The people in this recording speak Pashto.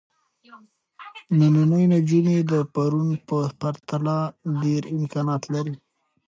نننۍ نجونې د پرون په پرتله ډېر امکانات لري.